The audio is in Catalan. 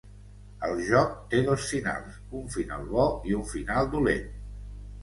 El joc té dos finals: un final bo i un final dolent.